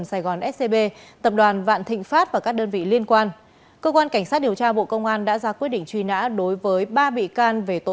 xin chào các bạn